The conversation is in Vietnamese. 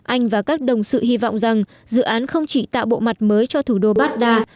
anh và các đồng sự hy vọng rằng dự án không chỉ tạo bộ mặt mới cho thủ đô baghdad